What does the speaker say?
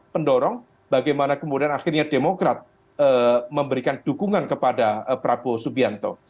pendorong bagaimana kemudian akhirnya demokrat memberikan dukungan kepada prabowo subianto